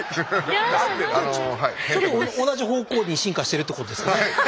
それ同じ方向に進化してるってことですかね。